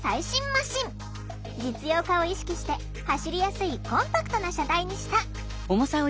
実用化を意識して走りやすいコンパクトな車体にした。